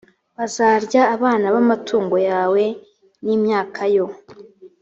bazarya abana b amatungo yawe n imyaka yo